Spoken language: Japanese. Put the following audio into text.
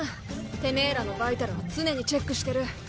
てめぇらのバイタルは常にチェックしてる。